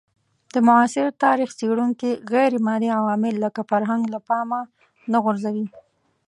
د معاصر تاریخ څېړونکي غیرمادي عوامل لکه فرهنګ له پامه نه غورځوي.